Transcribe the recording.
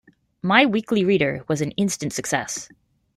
"My Weekly Reader" was an instant success.